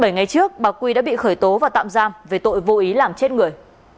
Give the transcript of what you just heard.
bảy ngày trước bà quy đã bị khởi tố và tạm giam về tội vô ý làm chết người